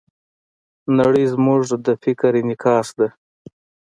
نړۍ زموږ د فکر انعکاس ده.